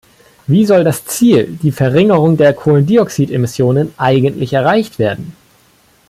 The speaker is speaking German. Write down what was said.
Wie soll das Ziel, die Verringerung der Kohlendioxidemissionen, eigentlich erreicht werden?